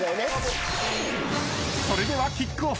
［それではキックオフ］